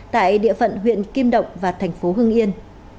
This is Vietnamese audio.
tại địa phận huyện kim động và thành phố hưng yên